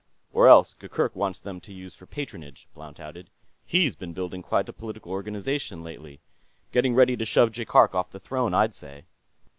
"Or else Gurgurk wants them to use for patronage," Blount added. "He's been building quite a political organization, lately. Getting ready to shove Jaikark off the throne, I'd say."